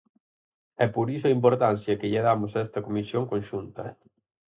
E por iso a importancia que lle damos a esta comisión conxunta.